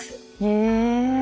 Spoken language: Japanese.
へえ。